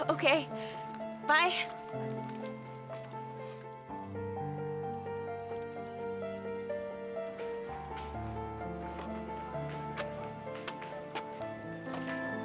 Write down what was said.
oke selamat tinggal